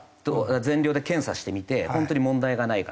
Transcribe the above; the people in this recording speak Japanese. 全量で検査してみて本当に問題がないか。